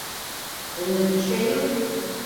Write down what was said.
Bunda bir şey yok.